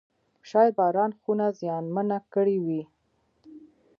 شاید باران خونه زیانمنه کړې وي.